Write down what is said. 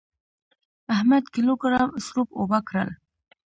احمد کيلو ګرام سروپ اوبه کړل.